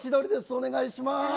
お願いします。